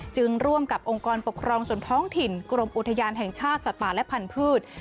ร่วมกับองค์กรปกครองส่วนท้องถิ่นกรมอุทยานแห่งชาติสัตว์ป่าและพันธุ์